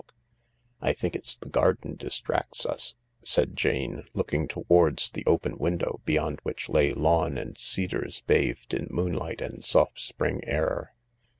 THE LARK 93 " I think it's the garden distracts us," said Jane, looking towards the open window, beyond which lay lawn and cedars bathed in moonlight and soft spring air.